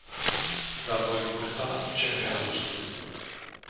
Dar voi purta ce mi-ai adus tu.